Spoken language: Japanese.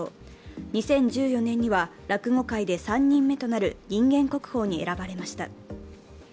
２０１４年には落語界で３人目となる人間国宝に選ばれました。